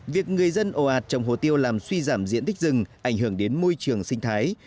việc người dân ồ ạt trồng hồ tiêu làm suy giảm diện tích rừng ảnh hưởng đến môi trường sinh thái